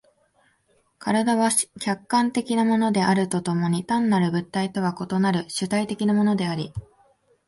身体は客観的なものであると共に単なる物体とは異なる主体的なものであり、